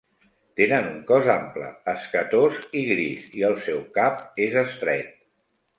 Tenen un cos ample, escatós i gris, i el seu cap és estret.